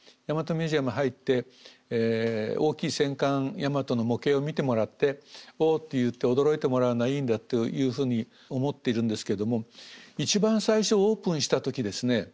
ミュージアム入って大きい戦艦大和の模型を見てもらっておって言って驚いてもらうのがいいんだというふうに思っているんですけども一番最初オープンした時ですね